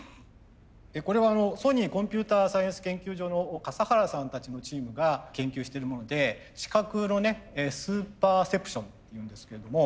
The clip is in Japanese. これはソニーコンピュータサイエンス研究所の笠原さんたちのチームが研究してるもので知覚のねスーパーセプションっていうんですけれども。